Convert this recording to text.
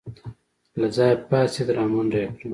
له ځايه پاڅېد رامنډه يې کړه.